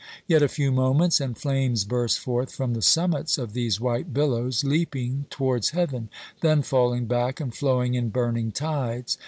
Yet a few moments, and flames burst forth from the summits of these white billows, leaping towards heaven, then falling back and flowing in burning tides.